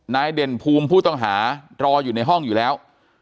เด่นภูมิผู้ต้องหารออยู่ในห้องอยู่แล้ว